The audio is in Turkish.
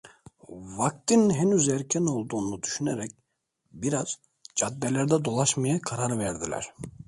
Vaktin henüz erken olduğunu düşünerek biraz caddelerde dolaşmaya karar verdiler.